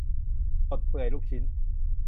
สด เปื่อย ลูกชิ้น